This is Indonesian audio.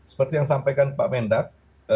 seperti yang sampaikan pak mendak